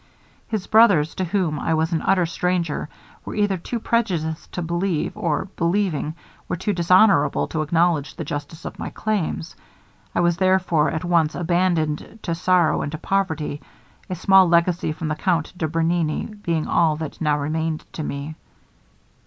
His brothers, to whom I was an utter stranger, were either too prejudiced to believe, or believing, were too dishonorable to acknowledge the justice of my claims. I was therefore at once abandoned to sorrow and to poverty; a small legacy from the count de Bernini being all that now remained to me.